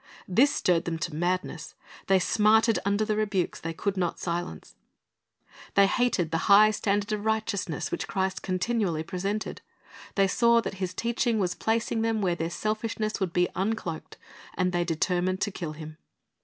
This stirred them to madness. They smarted under the rebukes they could not silence. They hated the high 294 Christ's Object Lessons standard of righteousness which Christ continually presented. They saw that His teaching was placing them where their selfishness would be uncloaked, and they determined to kill Him.